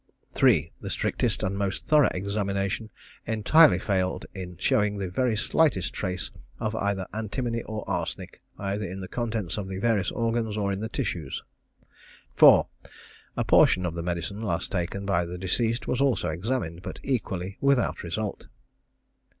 3. The strictest and most thorough examination entirely failed in showing the very slightest trace of either antimony or arsenic; either in the contents of the various organs, or in the tissues. 4. A portion of the medicine last taken by the deceased was also examined, but equally without result.